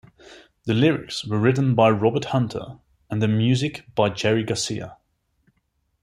The lyrics were written by Robert Hunter and the music by Jerry Garcia.